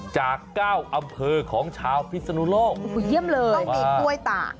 จาก๙อำเภอของชาวพิศนุโลกโอ้โหเยี่ยมเลยต้องมีกล้วยตาก